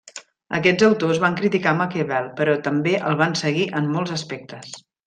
Aquests autors van criticar Maquiavel, però també el van seguir en molts aspectes.